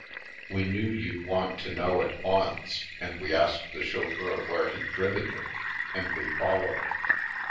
" We knew you'd want to know at once, and we asked the chauffeur where he'd driven you, and we followed."